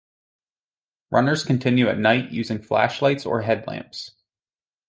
Runners continue at night using flashlights or headlamps.